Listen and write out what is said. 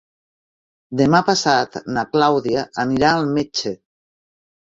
Demà passat na Clàudia anirà al metge.